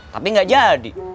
tapi gak jadi